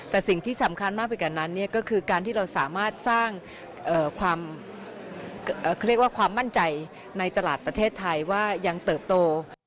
แต่สิ่งที่สำคัญมากไปกว่านั้นก็คือการที่เราสามารถสร้างความเขาเรียกว่าความมั่นใจในตลาดประเทศไทยว่ายังเติบโต